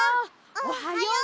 おはよう。